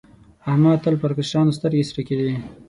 احمد تل پر کشرانو سترګې سرې کېدې.